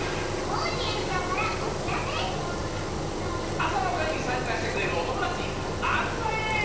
あさのかいにさんかしてくれるおともだちあつまれ！